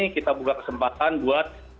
kita buka kesempatan buat